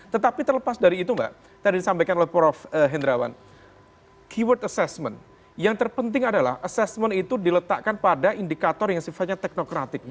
tetapi terlepas dari itu mbak tadi disampaikan oleh prof hendrawan keyword assessment yang terpenting adalah assessment itu diletakkan pada indikator yang sifatnya teknokratik